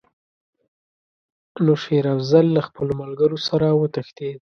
نو شېر افضل له خپلو ملګرو سره وتښتېد.